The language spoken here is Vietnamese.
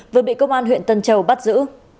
vừa bị công an huyện tân châu bắt giữ